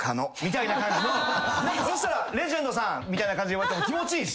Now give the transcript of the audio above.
そしたらレジェンドさんみたいな感じで呼ばれても気持ちいいし。